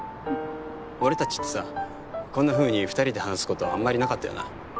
俺たちってさこんなふうに２人で話すことあんまりなかったよな。